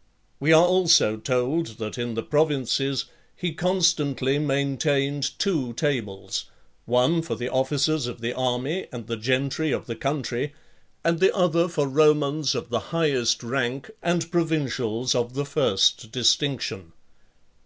XLVIII. We are also told, that in the provinces he constantly maintained two tables, one for the officers of the army, and the gentry of the country, and the other for Romans of the highest rank, and provincials of the first distinction.